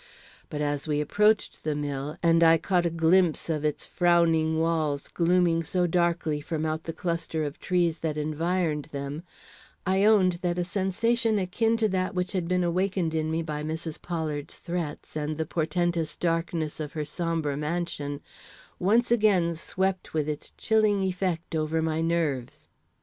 But as we approached the mill, and I caught a glimpse of its frowning walls glooming so darkly from out the cluster of trees that environed them, I own that a sensation akin to that which had been awakened in me by Mrs. Pollard's threats, and the portentous darkness of her sombre mansion, once again swept with its chilling effect over my nerves.